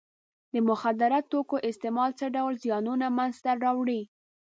د مخدره توکو استعمال څه ډول زیانونه منځ ته راوړي.